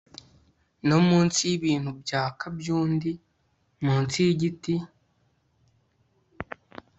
no munsi yibintu byaka byundi. munsi yigiti